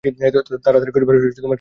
এত তাড়াতাড়ি করিবার কী দরকার ছিল?